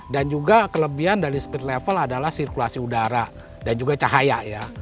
dan juga kelebihan dari speed level adalah sirkulasi udara dan juga cahaya ya